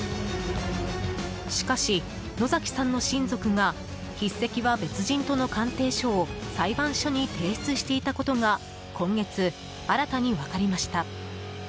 しかし野崎さんの親族が筆跡は別人との鑑定書を裁判所に提出していたことが今月、新たに分かりました。